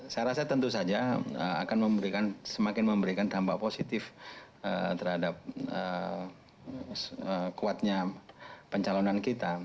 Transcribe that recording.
saya rasa tentu saja akan memberikan semakin memberikan dampak positif terhadap kuatnya pencalonan kita